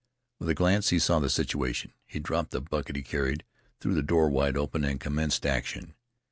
With a glance he saw the situation. He dropped the bucket he carried, threw the door wide open and commenced action.